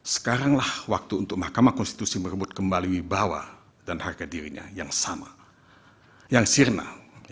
sekaranglah waktu untuk mahkamah konstitusi merebut kembali wibawa dan harga dirinya yang sama yang sirna